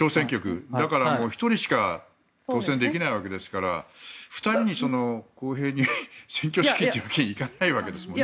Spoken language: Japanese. だから１人しか当選できないわけですから２人に公平に選挙資金というわけにはいかないんですもんね。